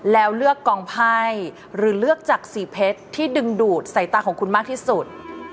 แล้วเลือกกองไพ่หรือเลือกจากสีเพชรที่ดึงดูดสายตาของคุณมากที่สุด